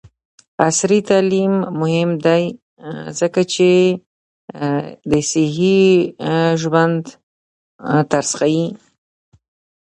عصري تعلیم مهم دی ځکه چې د صحي ژوند طرز ښيي.